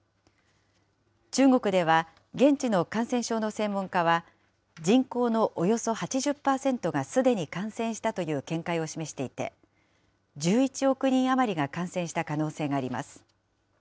中国では、現地の感染症の専門家は、人口のおよそ８０％がすでに感染したという見解を示していて、１１億人余りが感染した可能性があります。